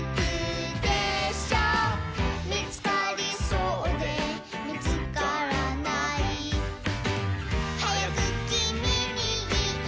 「みつかりそうでみつからない」「はやくキミにいいたいよ」